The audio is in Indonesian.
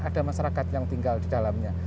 ada masyarakat yang tinggal di dalamnya